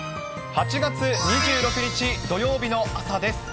８月２６日土曜日の朝です。